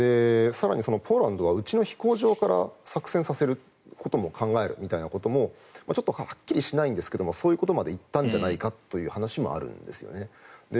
更にポーランドはうちの飛行場から作戦させることも考えるとちょっとはっきりしないんですがそういうことまで行ったんじゃないかという話もあるんです。